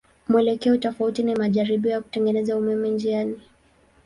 Mwelekeo tofauti ni majaribio ya kutengeneza umeme njiani.